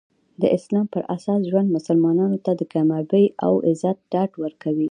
د اسلام پراساس ژوند مسلمانانو ته د کامیابي او عزت ډاډ ورکوي.